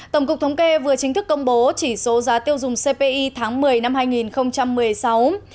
tổng cục thống kê vừa chính thức công bố chỉ số giá tiêu dùng cpi tháng một mươi năm hai nghìn một mươi sáu